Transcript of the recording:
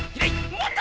もっと。